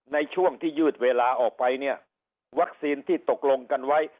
ในช่วงที่ยืดเวลาออกไปเนี่ยวัคซีนที่ตกลงกันไว้